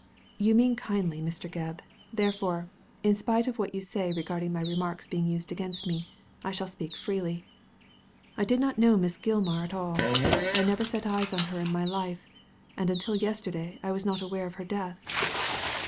^ You mean kindly, Mr. Gebb ; therefore, in spite of what you say regarding my remarks being used against me, I shall speak freely. I did not know Miss Gilmar at all I never set eyes on her in my life ; and until yesterday I was not aware of her death."